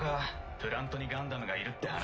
プラントにガンダムがいるって話。